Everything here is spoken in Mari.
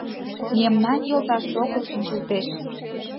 Мемнан йолташ огыл шинчылтеш